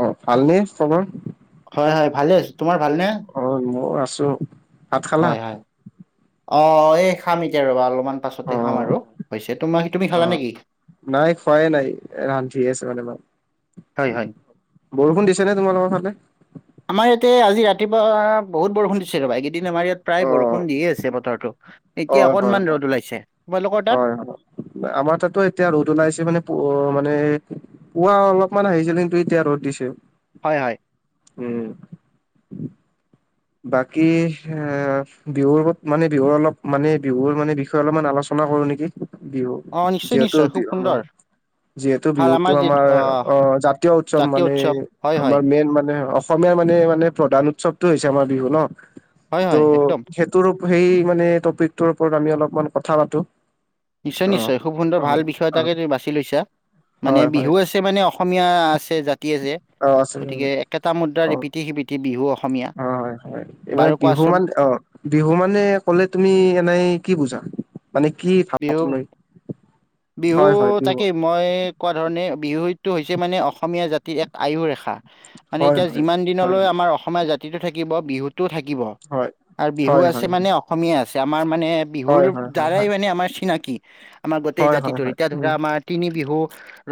অ ভালনে চবৰ? হয় হয় ভালে আছোঁ। তোমাৰ ভাল নে? অ মই আছোঁ। হয় হয় অ এই খাম এতিয়া ৰ'বা অলপমান। পাছতে অ খাম আৰু হৈছে। তুমি অ খালা নেকি? নাই খোৱাই নাই ৰান্ধিয়ে আছো মানে মাঁ। হয় হয় বৰষুণ দিছে নে তোমালোকৰ ফালে? আমাৰ ইয়াতে আজি ৰাতিপুৱা বহুত বৰষুণ দিছে। চে ৰ'বা এইকেইদিন আমাৰ ইয়াত প্ৰায় অ বৰষুণ দিয়ে আছে বতৰটো এতিয়া হয় হয় হয় অকনমান ৰ'দ ওলাইছে। তোমালোকৰ তাত? হয় হয় আমাৰ তাতো এতিয়া ৰ'দ ওলাইছে মানে পোৱা মানে পুৱা অলপমান আহিছিল কিন্তু এতিয়া ৰ'দ দিছে। হয় হয়। উম। বাকী অ বিহুৰত মানে বিহুৰ অলপ মানে বিহুৰ মানে বিষয়ে অলপমান আলোচনা না কৰো নেকি বিহু অ নিশ্চয় যিহেতু নিশ্চয় খুব বিহু ম সুন্দৰ যিহেতু ভাল বিহু টো যি আমাৰ আহ অ জাতীয় উৎসৱ জাতীয় মানে উৎসৱ হয় হয় আমাৰ মেইন মানে অসমীয়াৰ মানে মানে প্ৰধান উৎসৱটো হৈছে আমাৰ বিহু ন হয় হয় একদম ত' ত সেই মানে টপিকটোৰ ওপৰত আমি অলপমান কথা পাতোঁ। নিশ্চয় নিশ্চয় খুব সুন্দৰ ভাল বিষয় অ' এটাকে তুমি বাছি লৈছা মানে হয় হয় বিহু আছে মানে অসমীয়া আছে জাতি যে অঁ অঁ। তিহ বিতি বিহু অসমীয়া হয় হয় হয় এইবাৰ বাৰু বিহু কোৱাচোন মান অ বিহু মানে কলে তুমি এনেই কি বুজা? মানে কি বিহু [inaudible] বিহু বিহু তাকেই মই কোৱা ধৰণে বিহুটো হৈছে মানে অসমীয়া জাতিৰ এক আয়ু ৰেখা। মানে হয় এতিয়া হয় যিমান হয় দিনলৈ আমাৰ অসমীয়া জাতিটো থাকিব বিহুতটোও থাকিব। হয় হয় আৰু বিহু হয় আছে মানে অ অসমীয়া আছে আমাৰ মানে বিহুৰ হয় হয় হয় হয় হয় হয় দ্বাৰাই মানে আমাৰ চিনাকি আমাৰ গোটেই হয় হয় জাতিটোৰ হয় এতিয়া ধৰা উম আমাৰ তিনি বিহু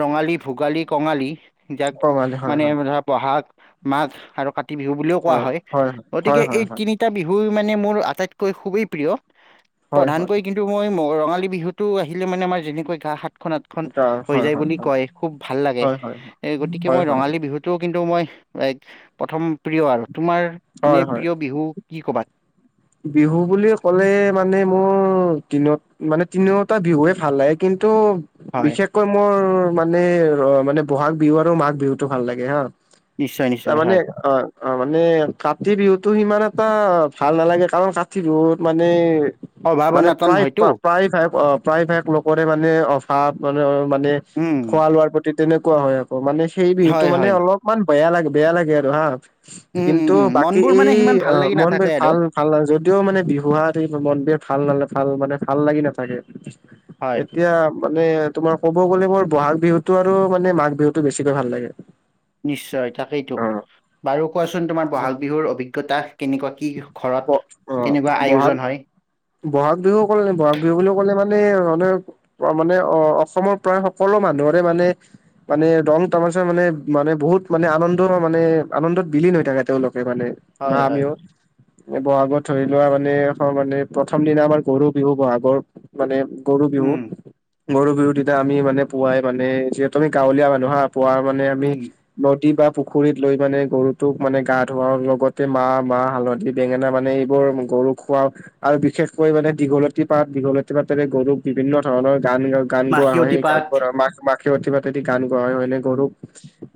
ৰঙালী, ভোগালী, কঙালী যাক কঙালী হয় মানে হয় ধৰা বহাগ মাঘ আৰু কাতি বিহু বুলিও কোৱা হয়, ' হয় গতিকে এই হয় তিনি হয় তিনিটা বিহু মানে মোৰ আটাইতকৈ খুবেই প্ৰিয়। হয় হয় প্ৰধানকৈ কিন্তু মই ৰঙালী বিহুতটো আহিলে মানে আমাৰ যেনেকৈ গা সাতখনত গা- হৈ হয় যায় হয় বুলি হয় কয় খুব ভাল লাগে হয় হয় এ গতিকে হয় মই হয় ৰঙালী বিহুত তটো কিন্তু মই প্ৰথম প্ৰিয়। আৰু তোমাৰ হয় এনেই হয় প্ৰিয় বিহু কি ক'বা? বিহু বুলি ক'লে মানে মোৰ দিনত মানে তিনিওটা বিহুৱে ভাল লাগে। কিন্তু হয় বিশেষকৈ মোৰ মানে, অ' মানে বহাগ বিহু আৰু মাঘ বিহুটো ভাল লাগে হা। নিশ্চয় নিশ্চয় তাৰমানে হয় অ' অ' মানে কাতি বিহুটো সিমান এটা ভাল নালাগে। কাৰণ কাতি বিহুত মানে, অভাৱ মানে অনাতন প্ৰায় [unintelligible] হয়তো অ'। প্ৰায় ভাগ লোকৰে মানে অভাৱ, মানে, মানে উম খোৱা লোৱাৰ প্ৰতি তেনেকুৱা হয় আকৌ মানে সেই বিহুটো হয় মানে হয় অলপমান বেয়া লাগে, বেয়া লাগে আৰু হা উম উম কিন্তু উম বাকী মনবোৰ মানে এই সিমান ভাল লাগি নাথাকে আৰু অ' [unintelligible] ভাল [unintelligible] যদিওঁ মানে বিহুৱা [unintelligible] ভাল নালাগ ভাল মানে, ভাল লাগি নাথাকে হয় এতিয়া মানে, তোমাৰ ক'ব গ'লে, মোৰ বহাগ বিহুটো আৰু মানে মাঘ বিহুটো বেছিকে ভাল লাগে। নিশ্চয়, তাকেইতো অ' বাৰু কোৱাচোন, তোমাৰ ব'হাগ বিহুৰ অভিজ্ঞতা? কেনেকুৱা, কি ব ঘৰত অ' কেনেকুৱা বহাগ আয়োজন হয়? ব'হাগ বিহু ক'লে, ব'হাগ বিহু বুলি ক'লে মানে [unintelligible] অ' মানে অ' অচমৰ প্ৰায় সকলো মানুহৰে মানে মানে ৰং তামাচা মানে, মানে বহুত মানে আনন্দৰ মানে আনন্দত বিলীন হৈ থাকে তেওঁলোকে মানে। বা হয় হয় আমিও এ ব'হাগত ধৰি লোৱা মানে এখন মানে প্ৰথম দিনা আমাৰ গৰু বিহু, ব'হাগৰ মানে গৰু বিহু। উম গৰু বিহু দিনা আমি মানে পুৱাই মানে যিহেতু আমি গাঁৱলীয়া মানুহ হা, পুৱা মানে আমি উম নদী বা পুখুৰীত লৈ মানে গৰুটোক মানে গা ধুৱাওঁ, লগতে মাহ, মাহ, হালধি বেঙেনা মানে এইবোৰ গৰুক খোৱাওঁ। আৰু বিশেষকৈ মানে, দীঘলতি পাত দীঘলতী পাতেৰে গৰুক বিভিন্ন ধৰণৰ গান গ গান গোৱা হয় মাখিয়তী সেই গান পাঠ [unintelligible] মা-মাখিয়তী পাতেদি গান গোৱা হয়, হয়নে গৰুক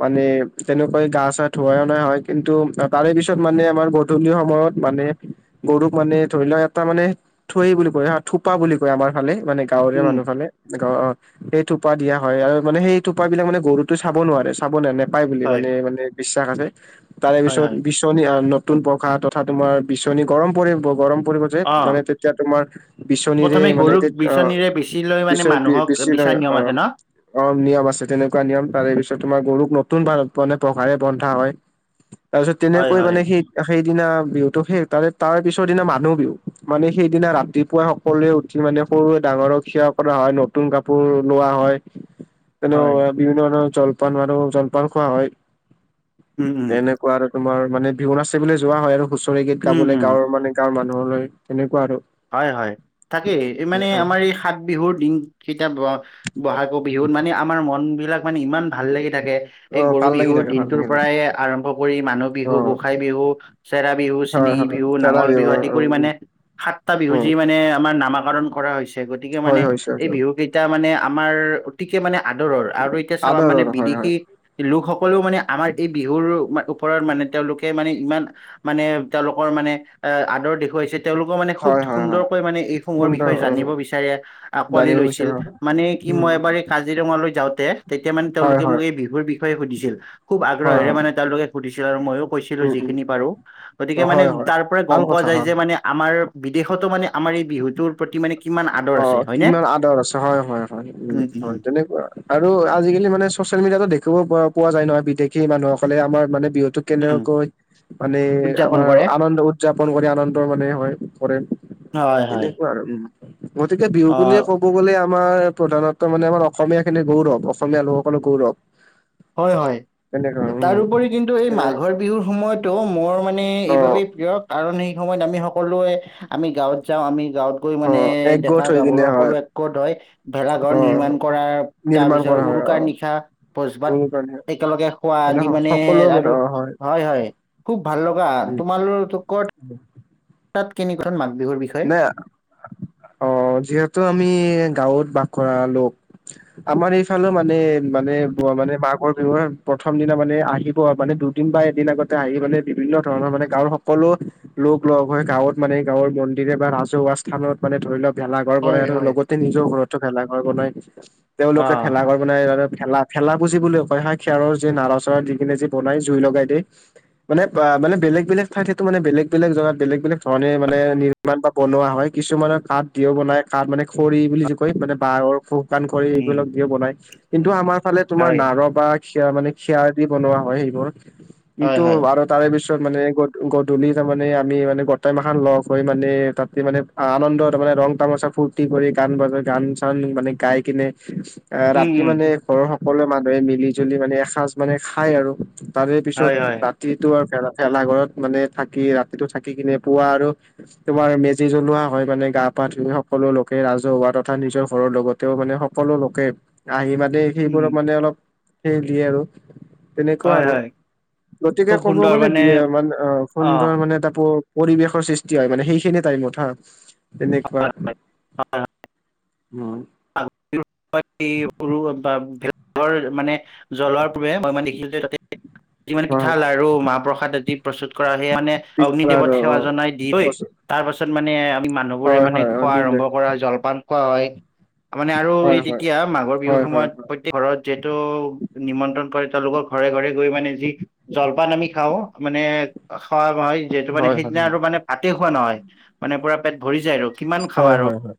মানে, তেনেকৈ গা চা ধুৱাই অনা হয়, কিন্তু তাৰে পিছত মানে আমাৰ বহুত গূধলি সময়ত মানে গৰুক মানে ধৰি লোৱা তাৰ মানে থৈ বুলি কয় হা, থোপা বুলি কয় আমাৰ ফালে মানে গাঁৱৰীয়া উম, মানুহ ফালে। সেই থোপা দিয়া হয় আৰু মানে সেই থোপা বিলাক মানে গৰুতোই চাব নোৱাৰে [unintelligible] নে নেপায় বুলি হয়, মানে, মানে বিশ্বাস আছে তাৰে হয়, পিছত হয়। বিচ [unintelligible] নতুন পঘা তথা তোমাৰ বিচনী গৰম পৰিব, গৰম পৰিব যে অ', মানে তেতিয়া তোমাৰ বিচনীৰে প্ৰথমে মানে গৰুক তে অ' বিচনীৰে বিচি লৈ মানে মানুহক [unintelligible] বিছি বিচৰা লয় নিয়ম আছে অ'। ন? অ' নিয়ম আছে, তেনেকুৱা নিয়ম তাৰে পিছত তোমাৰ গৰুক নতুন [inaudible] মানে পঘাৰে বন্ধা হয়। তাৰ পিছত হয়, তেনেকৈ হয়, মানে সেই-সেইদিনা বিহুটো শে, তাৰে তাৰ পিছৰ দিনা মানুহ বিহু। মানে, সেইদিনা ৰাতিপুৱাই সকলোৱে উঠি মানে সৰুৱে ডাঙৰক সেৱা কৰা হয় নতুন কাপোৰ লোৱা হয়। [inaudible] হয়। তেনেকুৱাকে বিভিন্ন ধৰণৰ জলপান আৰু জলপান খোৱা হয়। উম, উম, তেনে কুৱা আৰু তোমাৰ মানে বিহু নাচিবলৈ যোৱা হয়, আৰু হুচৰি গীত উম, গাবলৈ উম। গাঁৱৰ মানে গাঁৱৰ মানুহলৈ। তেনেকুৱা আৰু। হয়, হয় তাকেই এই মানে অ' আমাৰ এই সাত বিহুৰ দিনকেইটা ব' ব'হাগো বিহুত মানে, আমাৰ মন বিলাক মানে ইমান ভাল লাগি থাকে। অ এই গৰু ভাল লাগি বিহুৰ থাকে ভাল দিনটোৰ লাগি থাকে পৰাই আৰম্ভ কৰি মানুহ বিহু, অ' গোসাই বিহু চেৰা বিহু, হয় চেনেহী হয়। বিহু, চৰা নাঙল বিহু অ' আদি কৰি উম মানে সাত বিহু উম যি মানে আমাৰ নামাকৰণ কৰা হৈছে। গতিকে মানে, হয় এই হয় বিহু কেই টা মানে আমাৰ অতিকে মানে আদৰৰ আৰু এতিয়া চাবা আদৰৰ মানে হয় বিদেশী হয় লোকসকলেও মানে আমাৰ এই বিহুৰ ওপৰত মানে তেওঁলোকে মানে ইমান মানে, তেওঁলোকৰ মানে এ আদৰ দেখুৱাইছে, তেওঁলোকেও মানে খুব হয় - হয় হয় সুন্দৰকৈ মানে এইসমূহৰ সুন্দৰ বিষয়ে উম জানিব বিচাৰে, আঁকোৱালি জানিব লৈছিল বিচাৰো হয় মানে কি, উম মই এবাৰ এ কাজিৰঙালৈ যাওঁতে তেতিয়া মানে হয় তেওঁলোকে হয় মোক এই বিহুৰ বিষয়ে সুধিছিল, খুব হয় আগ্ৰহেৰে হয় মানে তেওঁলোকে সুধিছিল আৰু মইয়ো কৈছিলো উম উম যিখিনি পাৰো, গতিকে অ মানে হয় হয় তাৰ পৰাই ভাল গম পোৱা কথা যায় হয় যে মানে আমাৰ বিদেশতো মানে আমাৰ এই বিহুটোৰ প্ৰতি মানে কিমান আদৰ অ আছে হয়নে কিমান আদৰ আছে হয় হয় হয় উম হয় তেনেকুৱা আৰু আৰু আজিকালি মানে চচিয়েল মিডিয়াতো দেখিব প পোৱা যায় নহয় বিদেশী মানুহসকলে আমাৰ মানে বিহুটোত উম, কেনেকৈ মানে উদযাপন আমাৰ কৰে আনন্দ উদযাপন কৰি আনন্দ মানে হয় কৰে। হয় হয় তেনেকুৱা আৰু উম গতিকে বিহু অ বুলিয়ে কব। ক'ব গ'লে আমাৰ প্ৰধানত্ব মানে আমাৰ অসমীয়া খিনি গৌৰৱ অসমীয়া লোকসকলৰ গৌৰৱ হয় হয় তেনেকুৱা উম তাৰওপৰি কিন্তু এই তেনে মাঘৰ বিহুৰ সময়টো মোৰ মানে অ এইবাবেই প্ৰিয় কাৰণ সেই সময়ত আমি সক সকলোৱে আমি গাঁৱত যাওঁ আমি গাঁৱত গৈ অ মানে একগোট ডেকা হৈ গাভৰু কিনে হয় সকলোৱে একগোট হৈ অ ভেলাঘৰ নিৰ্মাণ কৰা নিৰ্মাণ কৰা তাৰপিছত হয় অ উৰুকাৰ নিশা ভোজ-ভাত অনুপ্ৰাণিত একেলগে খোৱা আদি মানে সকলো মানে আৰু অ হয় হয় খুব ভাল লগা তোমালোক কত উম তাত কেনেকুৱ মাঘ বিহুৰ বিষয়ে নাই অ যিহেতু আমি গাঁৱত বাস কৰা লোক আমাৰ এইফালে মানে মানে মানে মাঘৰ বিহু প্ৰথম দিনা মানে আহিব মানে দু দুদিন বা এদিন আগতে আহি মানে বিভিন্ন ধৰণৰ মানে গাঁৱৰ সকলো লোক লগ হৈ গাঁৱত মানে গাঁৱৰ ম মন্দিৰ বা ৰাজহুৱা স্থানত মানে ধৰি লওক ভেলাঘৰ হয় বনাই আৰু হয় লগতে নিজৰ ঘৰতো ভেলাঘৰ বনায়। অ তেওঁলোকে ভেলাঘৰ বনাই ভেলা ভেলা পুজি বুলি কয় খেৰৰ যে নাৰা চৰা দি কিনে যে বনাই জুই লগাই দিয়ে মানে মানে বেলেগ বেলেগ ঠাইত বেলেগ বেলেগ ধৰা বেলেগ বেলেগ ধৰণে মানে নিৰ্মা- নিৰ্মান বা বনোৱা হয় কিছুমানৰ কাঠ দিও বনাই কাঠ মানে খৰি বুলি যে কয় মানে বাহৰ খ- শুকান খৰি এইবিলাক উম দিও বনাই, কিন্তু আমাৰ ফালে তোমাৰ হয় নাৰ বা খেয় মানে খেয়ৰ দি বনোৱা হয় সেইবোৰ হয় কিন্তু হয় আৰু তাৰে পিছত মানে গ গধূলি তাৰ মানে আমি মানে গোটাই মাখখন লগ হৈ। মানে তাতে মানে আনন্দ ত মানে ৰং তামাচা ফুৰ্তি কৰি গান বাজাই গান চান মানে গাই কিনে, উম ৰাতি উম মানে ঘৰৰ সকলো মানুহে মিলি জুলি মানে এসাঁজ মানে খায় আৰু। তাৰে পিছত হয় হয় ৰাতিটো আৰু ভেলা ভেলাঘৰত মানে থাকি ৰাতিটো থাকি কিনে পুৱা আৰু তোমাৰ মেজি জ্বলোৱা হয় মানে গা পা ধুই সকলো লোকে ৰাজহুৱা তথা নিজৰ ঘৰৰ লগত তেওঁ মানে সকলো লোকে আহি মানে উম সেইবোৰক মানে অলপ হেৰি দিয়ে আৰু। তেনেকুৱা হয় আৰু হয় গতিকে খুব ক'ব সুন্দৰ গলে মানে বি এ মান অ সুন্দৰ মানে এটা প পৰিবেশৰ সৃষ্টি হয় মানে, সেইখিনি টাইমত হা তেনেকুৱা। হয় হয় উম [unintelligible] ভেলাঘৰ মানে জ্বলাৰ পূৰে মই মান দেখো যে তাতে, মানে অ পিঠা লাৰু মাহ প্ৰসাদ আদি প্ৰস্তুত কৰা সেই মানে পিছ অগ্নি আৰু দেৱত সেৱা জনাই দিয়ে ঐ অ তাৰ পাছত মানে আমি মানুহবোৰে হয় মানে হয় অ খোৱা দিলে আৰম্ভ কৰা জলপান খোৱা হয়। মানে আৰু হয় এই হয় তেতিয়া মাঘৰ বিহুৰ হয় হয় সময়ত প্ৰত প্ৰত্যেক ঘৰত যিহেতু নিমন্ত্ৰণ কৰে তেওঁলোকৰ ঘৰে ঘৰে গৈ মানে যি জলপান আমি খাওঁ মানে খোৱা হয়। যিহেতু মানে হয় হয় সেইদিনা আৰু মানে ভাতেই খোৱা নহয়। মানে পুৰা পেট ভৰি যায় আৰু। কিমান খাবা হয় আৰু হয় হয়,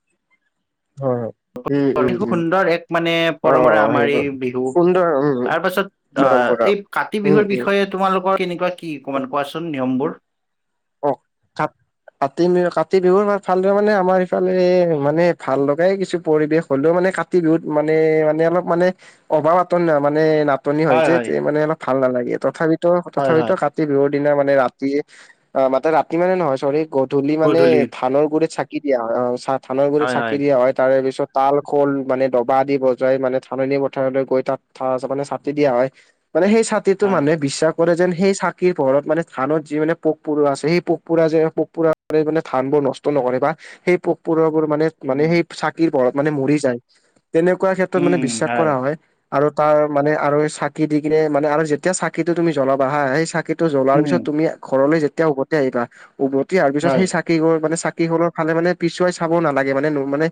হয়। উম অতি উম উম সুন্দৰ এক মানে অ পৰম্পৰা আমাৰ সেইবোৰ এই বিহু। সুন্দৰ উম তাৰ পাছত অ, পৰম্পৰা এই কাতি উম বিহুৰ উম বিষয়ে তোমালোকৰ কেনেকুৱা কি অকমান কোৱাচোন নিয়মবোৰ। অ, কাত কাতি বিহু, কাতি বিহুৰ ভালদৰে মানে আমাৰ ইফালে মানে ভাল লগাই কিছু পৰিবেশ হলেও মানে কা কাতি বিহুত মানে, মানে অলপ মানে অভাৱ আতন মানে না নাটনি হয় যে, তে মানে অলপ ভাল নালাগে। তথাপিতো, হয় তথাপিতো হয় কাতি বিহুৰ দিনা মানে ৰাতিয়ে অঁ মাতে, ৰাতি মানে নহয় ছ'ৰি, গধূলি মানে ধানৰ গুৰিত চাকি দিয়া হয়। অ', চা ধানৰ গুৰিত চাকি দিয়া হয়। তাৰে পিছত তাল, খোল মানে দবা আদি বজাই মানে ধাননি পথাৰলৈ গৈ তাত থা মানে চাকি দিয়া হয়। মানে সেই চাতিটো হয় মানুহে বিশ্বাস কৰে যেন সেই চাকিৰ পোহৰত মানে ধানত যি মানে পোক পোক-পৰুৱা আছে, সেই পোক-পৰুৱা যে পোক-পৰুৱা বোৰে মানে ধান বোৰ নষ্ট নকৰে বা সেই পোক-পৰুৱাবোৰ মানে উম মানে উম সেই চাকিৰ পোহৰত মানে মৰি যায়। তেনেকুৱা ক্ষেত্ৰত উম মানে উম বিশ্বাস কৰা হয়। আৰু তাৰ মানে আৰু এই চাকি দি কিনে, মানে আৰু যেতিয়া চাকিটো তুমি জ্বলাবা হা সেই চাকি টো জ্বলাৰ উম পিছত তুমি ঘৰলৈ যেতিয়া উভতি আহিবা, উভতি আহাৰ পিছত হয় সেই চাকি কি খোৰ মানে, চাকি খোৰৰ ফালে মানে পিছুৱাই চাব নালাগে। মানে ন মানে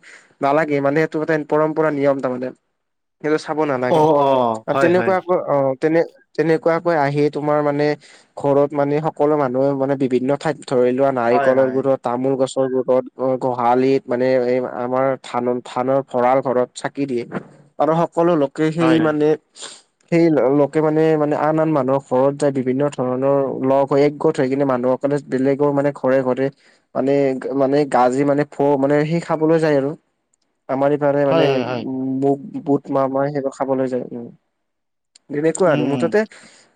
নালাগে মানে। সেইটো এটা পৰম্পৰা, নিয়ম তাৰমানে। সেইতো চাব অ নালাগে অ আৰু হয় হয় তেনেকুৱা আকৌ অ তেনে-তেনেকুৱাকৈ আহি তোমাৰ মানে ঘৰত মানে সকলো মান ন মানে বিভিন্ন ঠাইত ধৰি লোৱা হয় নাৰিকলৰ হয় গুৰত তামোল গছৰ গুৰত, অ গোহালিত মানে এই আমাৰ ধানৰ-ধানৰ ভঁৰাল ঘৰত চাকি দিয়ে আৰু সকলো লোকে সেই হয় হয় মানে সেই লোকে মানে, মানে আন আন মানুহৰ ঘৰত যায়, বিভিন্ন ধৰণৰ লগ হৈ একগোট হৈ কিনে মানুহসকলে বেলেগৰ মানে ঘৰে- ঘৰে মানে মানে গাজি মানে ফ মানে সেই খাবলৈ যায় আৰু। আমাৰ এইফালে মানে হয় হয় বো-বুট, মা-মাহ সেইবোৰ খাবলৈ যায়। উম। তেনেকুৱা উম আৰু। উম মুঠতে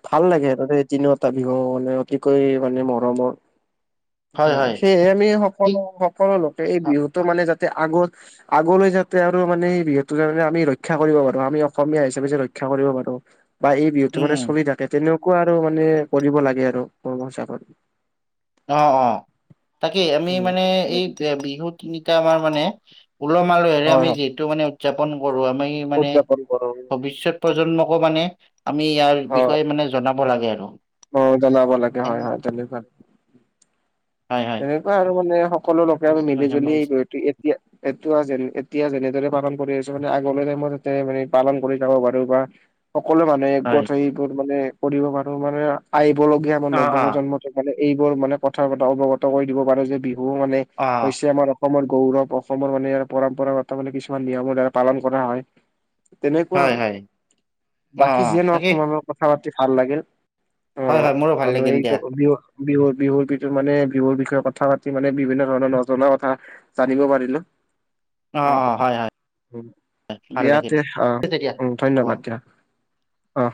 ভাল লাগে আৰু দে তিনিওটা বিহু মানে, অ তিকৈ মানে মৰমৰ। হয় হয় সেয়েহে আমি ঠিক সকলো-সকলো সকলো লোকে এই বিহুটো মানে যাতে আগৰ আগলৈ যাতে আৰু মানে যিহেতু আমি ৰক্ষা কৰিব পাৰোঁ, আমি অসমীয়া হিচাপে যে ৰক্ষা কৰিব পাৰোঁ বা এই বিহুটো উম মানে চলি থাকে, তেনেকুৱা আৰু মানে কৰিব লাগে আৰু। [unintelligible] অ', অ', তাকেই আমি উম। মানে এই বিহু তিনিটা আমাৰ মানে উলহ-মালহেৰে হয় আমি হয় যিহেতু মানে উদযাপন কৰোঁ, আমি মানে উদযাপন কৰো ভৱিষ্যত প্ৰজন্মকো মানে আমি ইয়াৰ হয় বিষয়ে মানে জনাব লাগে আৰু। অ', জনাব লাগে হয়, হয়। তেনেকুৱা হয়, হয় এনেকুৱা আৰু মানে সকলো লোকে আমি মিলিজুলি এই বিহুটি এতিয়া যেন এতিয়া যেনেদৰে পালন কৰি আছোঁ মানে আগলৈ সেইমতে যাতে মানে পালন কৰি যাব পাৰোঁ বা সকলো মানুহে এক গোট হয় হৈ [unintelligible] মানে কৰিব পাৰোঁ। মানে আহিবলগীয়া আমাৰ অ অ নৱপ্ৰজন্ম মানে এইবোৰ মানে কথাৰ পৰা অৱগত কৰি দিব পাৰোঁ যে, বিহু মানে অ হৈছে আমাৰ অসমৰ গৌৰৱ। অসমত মানে ইয়াৰ পৰম্পৰাগত মানে কিছুমান নিয়মৰ দ্বাৰা পালন কৰা হয়। তেনেকুৱা হয় আৰু। হয় অ অ বাকী যিয়ে নহওঁক, তাকেই তোমাৰ লগত কথা পাতি ভাল লাগিল। হয় অ', হয় মোৰো ভাল আৰু লাগিল দিয়া এইটো বিহু-বিহু-বিহুৰ [unintelligible] মানে বিহুৰ বিষয়ে কথা পাতি মানে বিভিন্ন ধৰণৰ নজনা কথা জানিব পাৰিলোঁ। অ', ভাল দিয়া লাগিল তে অ', তেতিয়া উম, হ'ব। ধন্যবাদ দিয়া। অ'।